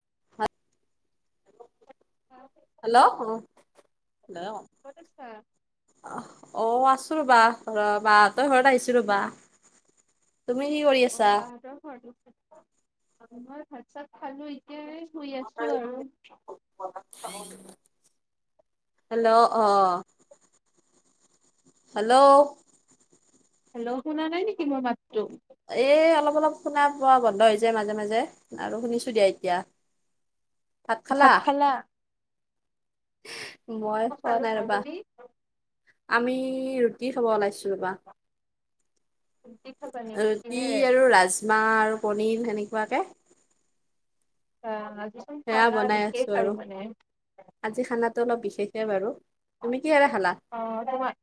[unintelligible] ক'ত হেল্ল', আছা? [unintelligible] অ', আছো ৰ'বা, [unintelligible] বাহতঁৰ ঘৰত আহিছোঁ ৰ'বা। তুমি কি কৰি আছা? অ' বাহতঁৰ ঘৰত, মই ভাত চাত খালোঁ, এতিয়া এই শুই আছোঁ আৰু। হেল্ল', অ'। হেল্ল'। হেল্ল', শুনা নাই নিকি মোৰ মাতটো? এ অলপ, অলপ শুনা পোৱা বন্ধ হৈ যায় মাজে মাজে আৰু শুনিছোঁ দিয়া এতিয়া। [unintelligible] ভাত খালা। মই অ খোৱা খালো নাই মই। ৰ'বা, তুমি? আমি ৰুটি খাব ওলাইছোঁ ৰ'বা। [unintelligible] খাবা নেকি? ৰুটি কিহেৰে? আৰু ৰাজমাহ আৰু পনীৰ সেনেকুৱাকে। [unintelligible] আজি চোন সেয়া খানা বনাই আছো বিশেষ আৰু মানে। আজি খানাতো অলপ বিশেষে বাৰু। তুমি কিহেৰে খালা? অ' [unintelligible]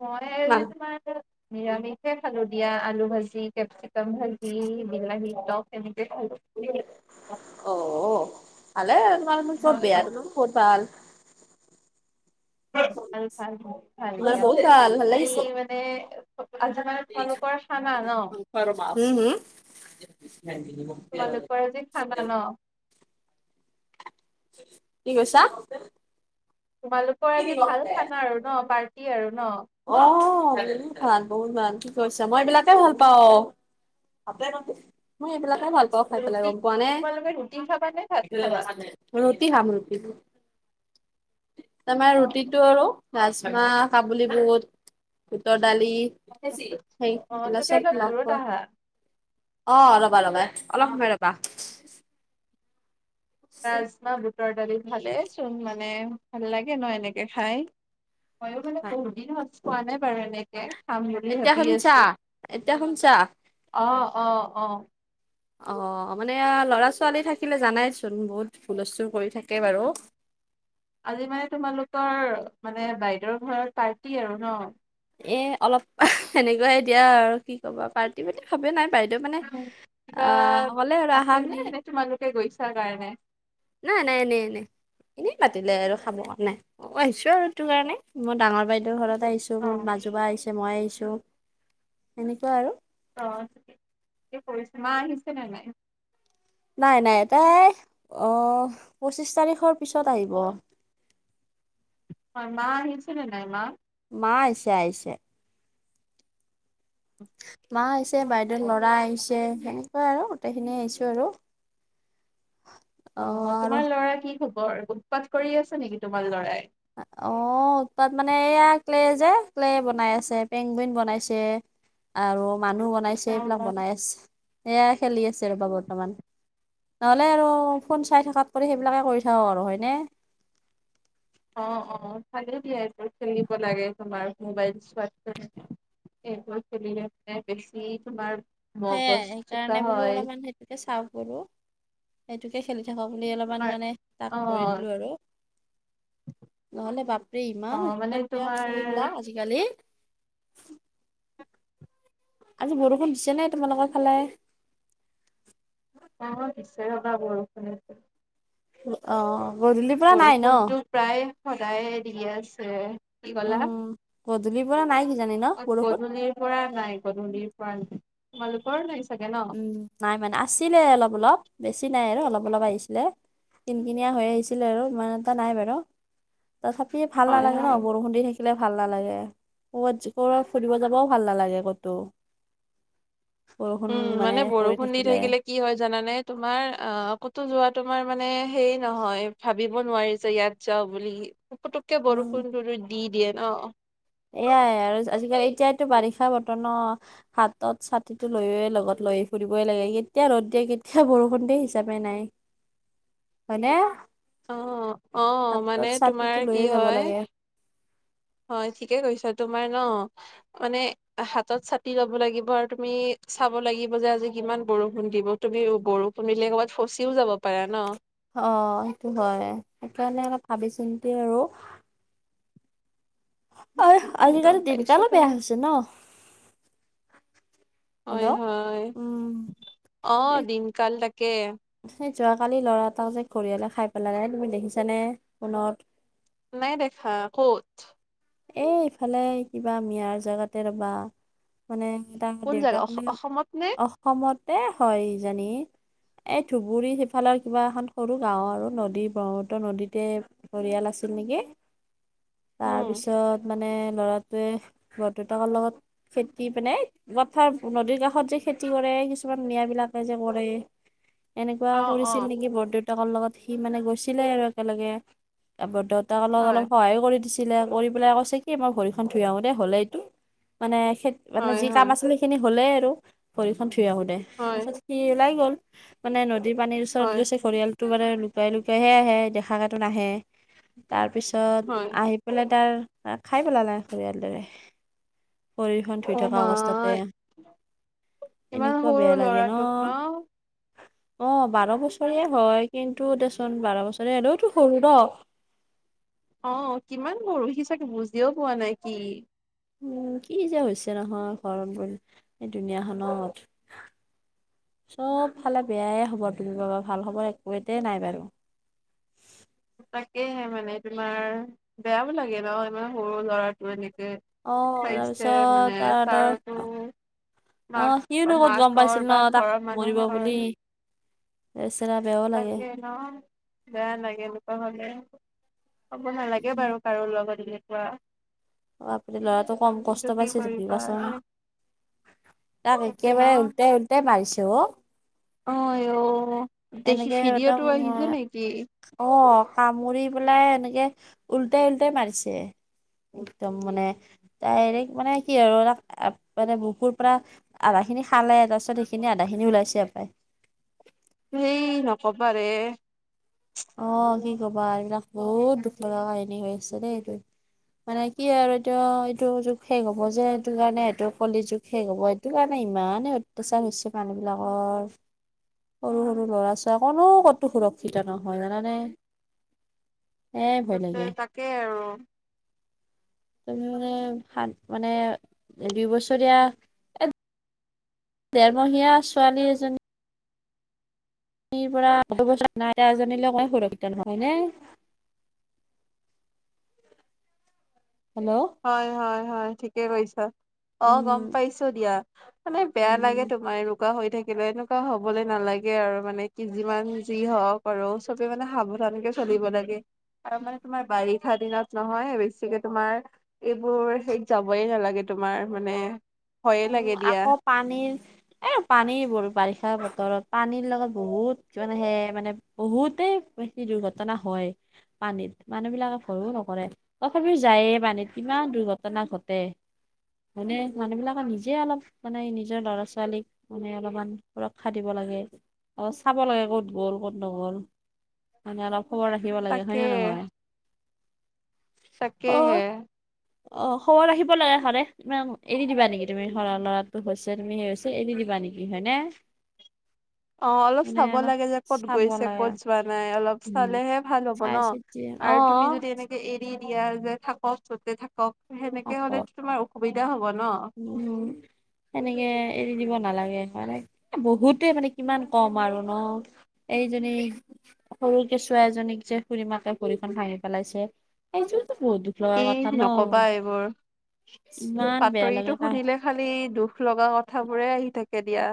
মই আজি তোমাৰ। নিৰামিষে খালো দিয়া। আলু ভাজি, কেপচিকাম ভাজি, বিলাহী তক সেনেকে খালোঁ। অ' ভালে তোমাৰ, চব হয় বেয়াটোনো ক'ত ভাল। ভাল ভাল বহুত ভাল নাই দিয়া। বহুত ভাল, তুমি মানে? আজি মানে তোমালোকৰ খানা ন? হুম হুম তোমালোকৰ আজি খানা ন'? কি কৈছা? তোমালোকৰ আজি ভাল খানা আৰু ন' পাৰ্টি আৰু ন'। অ' বহুত ভাল, বহুত ভাল। ঠিক কৰিছে মই এইবিলাকে ভাল পাওঁ। মই এইবিলাকে ভাল পাওঁ খাই পেলাই ৰুটি গম পোৱা নে? তোমালোকে ৰুটি খাবা নে ভাত খাবা ৰুটি খাম ৰুটি, তাৰমানে অ ৰুটিটো আৰু ৰাজমাহ, কাবুলী বুট, বুটৰ দালি অ তুমি অলপ দূৰত [unintelligible] আহা অ' ৰ'বা ৰ'বা অলপ সময় ৰ'বা। ৰাজমাহ, বুটৰ দালি খালে চোন মানে ভাল লাগে ন' এনেকে খাই। মইয়ো মানে বহুত দিন হ'ল খোৱা নাই বাৰু এনে তাকে খাম বুলি এতিয়া ভাবি শুনছা? আছো। এতিয়া শুনছা? অ' অ' অ'। অ' মানে ল'ৰা-ছোৱালী থাকিলে জানাইচোন বহুত হুলস্থুল কৰি থাকে বাৰু। আজি মানে তোমালোকৰ মানে বাইদেউৰ ঘৰত পাৰ্টি আৰু ন'? এ অলপ সেনেকুৱাই দিয়া আৰু কি ক'বা পাৰ্টি বুলি ভাবেই নাই বাইদেউ মানে কিবা আ ক'লে আৰু আছে আহা নে বুলি। নে তোমালোকে গৈছা কাৰণে নাই নাই, এনেই এনেই। এনেই মাতিলে আৰু খাব কাৰণে, মই আহিছো আৰু সেইটো কাৰণে। মই ডাঙৰ বাইদেউৰ ঘৰত আহিছো। অ মোৰ মাজু বা আহিছে মই আহিছো সেনেকুৱা আৰু। অ' কৰিছে মা আহিছে নে নাই? নাই নাই তাই পঁচিছ তাৰিখৰ পিছত আহিব। হয়, মা আহিছে নে নাই মা? মা আহিছে আহিছে। মা আহিছে, বাইদেউৰ ল'ৰা আহিছে সে সেনেকুৱাই আৰু গোটেইখিনি আহিছো আৰু অ' তোমাৰ ল'ৰা কি খবৰ? উৎপাত কৰি আছে নেকি তোমাৰ ল'ৰাই? অ' উৎপাত মানে এইয়া ক্লে যে ক্লে বনাই আছে পেংগুইন বনাইছে। আৰু মানুহ বনাইছে অ এইবিলাক বনাই আছে, সেয়াই খেলি আছে ৰ'বা বৰ্তমান। নহ'লে আৰু ফোন চাই থাকাত কৰি সেইবিলাকে কৰি থাকক আৰু হয়নে? অ' অ' ভালেই দিয়া এইবোৰ খেলিব লাগে, তোমাৰ মোবাইল চোৱাতকৈ। এইবোৰ খেলিলে মানে বেছি তোমাৰ সেয়াই মগজ চোকা সেইকাৰণে বোলো হয়। [unintelligible] সেইটোকে খেলি থাকক বুলি অলপমান তোমাৰ মানে তাক অ কৰি দিলো আৰু। নহ'লে বাপৰে অ ইমান মানে উৎপতীয়া তোমাৰ ল'ৰা-ছোৱালী বিলাক আজিকালি। আজি বৰষুণ দিছে নে তোমালোকৰ ফালে? অ' দিছে ৰ'বা বৰষুণ এইফালে। অ' গধূলিৰ পৰা নাই ন বৰষুণটো প্ৰায় সদায়ে দিয়ে আছে। কি ক'লা? উম গধূলিৰ পৰা নাই কিজানি ন অ' বৰষুণ গধূলিৰ পৰা নাই গধূলিৰ পৰা নাই। তোমালোকৰো নাই চাগে ন'? উম নাই মানে। আছিলে অলপ অলপ বেছি নাই আৰু অলপ অলপ আহিছিলে। কিন কিনিয়া হৈ আহিছিলে আৰু ইমান এটা নাই বাৰু, তথাপিও ভাল হয় নালাগে ন হয়। বৰষুণ দি থাকিলে দিলে ভাল নালাগে। ক'বাত ক'ৰবাত ফুৰিব যাবও ভাল নালাগে ক'তো। বৰষুণ উম মানে পৰি বৰষুণ দি থাকিলে। কি হয় জানা নে তোমাৰ অ, ক'তো যোৱা তোমাৰ মানে হেইৰি নহয়, ভাবিব নোৱাৰি যে ইয়াত যাওঁ বুলি, পুটুকে উম বৰষুণটো দি দিয়ে ন। এয়াই আৰু আজিকালি এতিয়ো বাৰিষা বতৰ ন। হাতত ছাতিটো লৈয়ে লগত লৈ ফুৰিবই লাগে। কেতিয়া ৰ'দ দিয়ে, কেতিয়া বৰষুণ দিয়ে হিচাবে নাই। হয় নে? অ', অ'মানে তোমাৰ ছাতিটো লৈয়ে কি যাব হয়। লাগে হয়, ঠিকে কৈছা তোমাৰ ন, মানে হাতত ছাতি ল'ব লাগিব আৰু তুমি চাব লাগিব যে আজি কিমান বৰষুণ দিব। তুমি বৰষুণ দিলে ক'ৰবাত ফচিও যাব পাৰা ন। অ', সেইটোৱেই হয়, সেইকাৰণে অলপ ভাবি- চিন্তি আৰু। অহ, হয় গম আজিকালি পাইছো দিনকালো বেয়া বাৰু হৈছে ন। হয়, হেল্ল' হয়, উম অ', এই দিনকাল তাকে। সেই যোৱাকালি ল'ৰা এটাও যে ঘৰিয়াললে খাই পেলালে, তুমি দেখিছানে ফোনত। নাই দেখা, ক'ত? এ, ইফালে কিবা মিয়াৰ জেগাতে ৰ'বা। মানে তাৰ কোন জেগা দেউতা অস কলে অসমত নে? অসমতে হয় ইজানি। এই ধুবুৰী সিফালৰ কিবা এখন সৰু গাওঁ আৰু নদী ব্ৰহ্মপুত্ৰ নদীতেই পৰিয়াল আছো নেকি, উম তাৰপিছত মানে ল'ৰাটোৱে বৰ দেউতাকৰ লগত খেতি পিনাই পথাৰ, নদীৰ কাষত যে খেতি কৰে, কিছুমান মিয়া বিলাকে যে কৰে। এনেকুৱা অ অ কৰিছিল নেকি বৰদেউতাকৰ লগত, সি মানে গৈছিলে আৰু একেলগে। বৰ দেউতাক লগত হয়। অলপ সহায়ো কৰি দিছিলে। কৰি পেলাই কৈছে কি, মই ভৰিখন থুই আহো দেই হ'লে এইটো, মানে খে, মানে হয় যি কাম হয় আছিল সিনি হ'লেই আৰু ভৰি খন ধোই আহো দে, হয় তাৰপিছত সি ওলাই গ'ল মানে নদীৰ পানীৰ ওচৰত হয় গৈছে ঘৰিয়ালতটো মানে লুকাই লুকাইহে আহে দেখা কেটো নাহে। তাৰপিছত হয় আহি বলে তাৰ খাই পেলালে ঘৰিয়ালটোৱে ভৰি খন ধুই অ থকা মা অৱস্থাতে ইমান এনেকুৱা সৰু বেয়া লাগে ন। ল'ৰাটোক অ', বাৰ বছৰীয়া হয়, কিন্তু দেচোন বাৰ বছৰ এনেও টো সৰু ন। অ', কিমান পৰহি চাগে বুজিও পোৱা নাই কি? উম, কি যে হৈছে নহয় ঘৰত, ব, এই দুুনীয়াখনত। চবফালে বেয়াই হ'ব তম বা ভাল হবৰ একোটাই নাই বাৰু। তাকেহে মানে তোমাৰ, বেয়াও লাগে ন ইমান সৰু লৰাটো এনেকে অ পাইছে তাৰপিছত মানে তাৰ ধৰ তাৰতো। অ সিনো মাক- ক'ত গম পাইছিল মাকৰ ন বা তাক ঘৰৰ মৰিব বুলি মানুহৰ। বেচেৰা বেয়াও লাগে তাকে ন। বেয়া লাগে এনেকুৱা হ'লে, হ'ব নালাগে বাৰু কাৰো লগত এনেকুৱা। অ', আপুনি ল'ৰাটো কম কিন্তু কষ্ট কি পাইছে কৰিবা আৰু [unintelligible] তাক তাকে ন। একেবাৰে উল্টাই উল্টাই মাৰিছো অ'। অ', অ' দেখি এনেকে ভিডিঅ' একদম টো আহিছ নেকি? অ' কামুৰি পেলাই এনেকে ওল্টাই ওল্টাই মাৰিছে। একদম মানে, ডাইৰেক্ট মানে কি আৰু তাক মানে বুকুৰ পৰা আধা খিনি খালে তাৰপিছত সেইখিনি আধা খিনি ওলাইছে পায়। সেই নকবা ৰে- অঁ কি কবা এইবিলাক বহুত দুখ লগা কাহিনী হৈ আছে দেই এইটো। মানে কি আৰু এটোও এইটো যুগ শেষ হ'ব যে, এইটো কাৰণে সেইটো কলি যুগ শেষ হ'ব। সেইটো কাৰণে ইমানেই অত্যাচাৰ হৈছে মানুহ বিলাকৰ। সৰু উম সৰু ল'ৰা ছোৱালী কোনো কতো সুৰক্ষিত নহয় জানানে? এ ভয় তাতে লাগে তাকে আৰু। তুমি মানে সাত মানে দুই বছৰীয়া দেৰমহীয়া ছোৱালী এজনী। পৰা দহ বছৰীয়া মাইনা এজনী সংৰক্ষিত নহয় হয়নে। হেল্ল' হয় হয় হয় ঠিকে কৈছ অঁ গম উম পাইছোঁ দিয়া। মানে বেয়া লাগে উম তোমাৰ এ এনেকুৱা হৈ থাকিলে এনেকুৱা হ'বলৈ নালাগে আৰু মানে কি যিমান যি হওঁক আৰু চবে মানে সাৱধানকে চলিব লাগে। আৰু মানে তোমাৰ বাৰিষা দিনত নহয় বেছিকে তোমাৰ এইবোৰ হেৰিইত যাবই নালাগে তোমাৰ মানে ভয়ে লাগে দিয়া। পানীৰ এই পানী বোৰ, বাৰিষা বতৰত পানীৰ লগত বহুত কিমানে সে মানে- বহুতেই বেছি দুৰ্ঘটনা হয় পানীত, মানুহ বিলাকে ভয়ো নকৰে। তথাপিও যায়ে মানে কিমান দুৰ্ঘটনা ঘটে মানে মানুহ বিলাক। নিজে অলপ মানে নিজৰ ল'ৰা ছোৱালীক মানে অলপমান সুৰক্ষা দিব লাগে। অ' চাব লাগে ক'ত গ'ল ক'ত নগ'ল মানে অলপ খবৰ ৰাখিব থাকিব লাগে হয় তাকে নে নহয়। তাকে অ হে। অ' খবৰ ৰাখিব লাগে সদাদ ইমান এৰি দিবা নেকি? তুমি সৰা ল'ৰাটো গৈছে তুমি সেই এৰি দিবা নেকি হয় নে? অ' অলপ চাব লাগে যে ক'ত চাব গৈছে লাগে ক'ত যোৱা নাই অলপ উম চালেহে ভাল হব ন। চাই চিতি অ আৰু তুমি যদি এনেকে এই দি দিয়া যে থাকক যতে থাকক সেনেকে হ'লে আকৌ তোমাৰ অসুবিধা হব ন। উম, সেনেকে এৰি দিব নালাগে মানে বহুতে মানে কিমান কম আৰু ন। এইজনী সৰু কেচুৱা এজনীক যে খুুৰী মাকে ভৰিখন ভাঙি পেলাইছে সেইটোতো বহুত দুখ। লোৱা এই কথা ন, নকবা এইবোৰ ইমান বেয়া লাগ বাতৰিটো শুনিলে খালি দুখ লগা কথাবোৰে আহি থাকে দিয়া।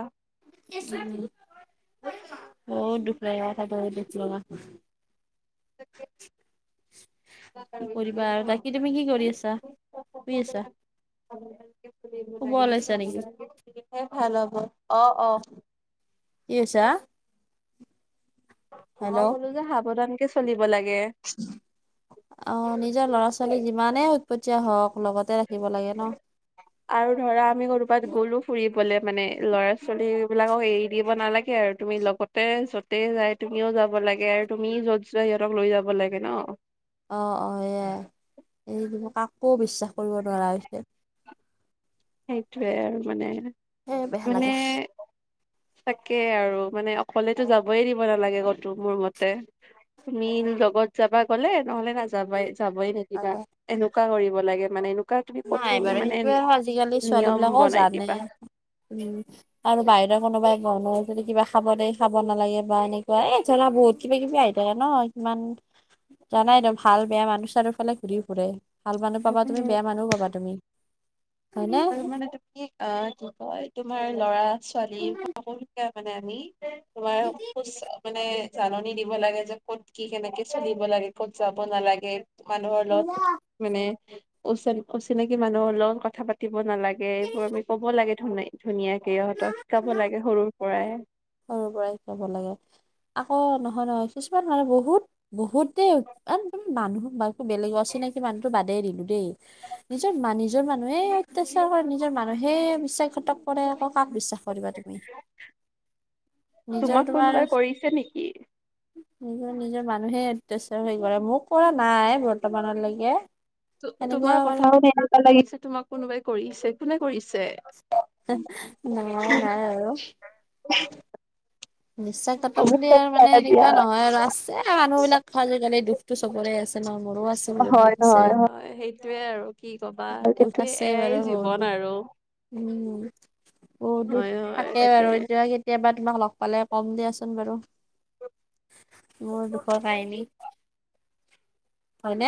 বহুত দুুখ লগা কথা বহুত দুখ লগা। ন ম [unintelligible] কি কৰিবা আৰু বাকী তুমি কি কৰি আছা শুই আছা শুব ওলাইছা নেকি? ভাল হব অ অ কি কৰিছা? মই কলোঁ যে সাৱধান কে চলিব লাগে। উ, [unintelligible] অ' নিজৰ ল'ৰা- ছোৱালী যিমানে উৎপত্তীয়া হওক লগতে ৰাখিব লাগে ন। আৰু ধৰা আমি ক'ৰোবাত গ'লো ফুৰিবলে মানে ল'ৰা ছোৱালী বিলাকক এৰি দিব নালাগে আৰু তুমি লগতে য'তে যাই তুমিও যাব লাগে আৰু তুমিও যত যোৱা সিহঁতক লৈ যাব লাগে ন অ অ এয়া কাকো বিশ্বাস কৰিব নোৱাৰা হৈছে। সেইটোয়ে আৰু মানে সেই বেয়া লাগে মানে। তাকে আৰু মানে অকলেতো যাবই দিব নালাগে ক'তো মোৰ মতে- তুমি লগত যাবা গলে নহলে নাযাবাই যাবই নে কিবা তাকে। এনেকুৱা কৰিব লাগে মানে তুমি নাই কঠোৰ বাৰু মানে সেইটোয়ে আজিকালি ছোৱালী নিয়ম বিলাকও বনাই জানে দিবা উম আৰু বাহিৰৰ কোনোবাই কয় যদি কিবা খাব দিয়ে খাব নালাগে বা এনেকুৱা এই ধৰা বহুত কিবা কিবি আহ। ন ইমান জানাই একদম ভাল বেয়া মানুহ চানুহ ফালে ঘূৰি ফুৰে ভাল মানুহ পাবা তুমি উম বেয়া মানুহও পাবা তুমি হয় নে। আৰু মানে তুমি আহ কি কয় তোমাৰ ল'ৰা ছোৱালী সকলোকে মানে আমি তোমাৰ সুচ মানে জাননী দিব লাগে যে ক'ত কি কেনেকে চলিব লাগে ক'ত যাব নালাগে মানুহৰ লগত মানে উচ অচিনাকি মানুহৰ লগত কথা পা দিব নালাগে এইবোৰ আমি কব লাগে ধুন ধুনীয়াকে ইহঁতক শিকাব লাগে সৰুৰ পৰাই। সৰুৰ পৰাই শিকাব লাগে আকৌ নহয় নহয় কিছুমান মানুহ বহুত বহুত দেই ইমান মানুহো বেলেগ অচিনাকি মানুহতো বাদে দিলো দেই। নিজৰ মানু নিজৰ মানুহে অত্যাচাৰ কৰে নিজৰ মানুহে বিশ্বাসঘাতক কৰে আও কাক বিশ্বাস কৰিবা তুমি নিজৰ তোমাক তোমাৰ কোনোবাই কৰিছে নেকি? নিজৰ নিজৰ মানুহে অত্যাচাৰ হৈ কৰে মোক কৰা নাই বৰ্তমানলৈকে। সেনেকুৱা তোমাৰ মানে কথা শুনি এনেকুৱা লাগিছে তোমাক কোনোবাই কৰিছে কোনে কৰিছে? নাই -নাই আৰু। [unintelligible] বিশ্বাস ঘাটক বুলি আৰু মানে এনেকুৱা নহয় আৰু আছে মানুহ বিলাক আজিকালি দুখটো চবৰে আছে। ন মোৰো আছে বহুত দুখ হয় আছে -হয় -হয় হেইটোয়ে আৰু কি কবা দুখ হেইটোৱে। আছে এয়াই বাৰু বহুত জীৱন দুখ আৰু। উম, [unintelligible] হয় হয় থাকে তাকে। বাৰু এতিয়া কেতিয়াবা তোমাক লগ পালে কম দিয়াচোন বাৰু। মোৰ দুখৰ কাহিনী। হয়নে?